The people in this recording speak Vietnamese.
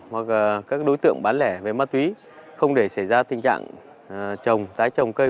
hoặc các đối tượng bán lẻ về ma túy không để xảy ra tình trạng trồng tái trồng cây